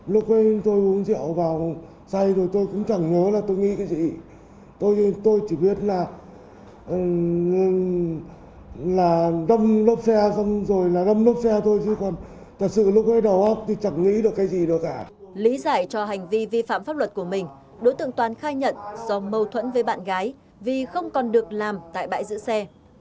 lý giải cho hành vi vi phạm pháp luật của mình đối tượng toàn khai nhận do mâu thuẫn với bạn gái vì không còn được làm tại bãi giữ xe